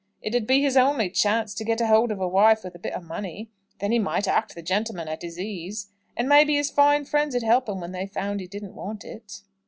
It 'ud be his only chance to get hold of a wife with a bit o' money. Then he might act the gentleman at his ease; and maybe his fine friends 'ud help him when they found he didn't want it.